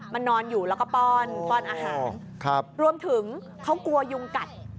มันนอนอยู่แล้วก็ป้อนป้อนอาหารรวมถึงเขากลัวยุงกัด